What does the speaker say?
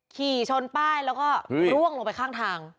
ขี่ชนป้ายแล้วก็ร่วงลงไปข้างทาง